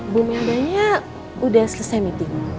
bu mila nya udah selesai meeting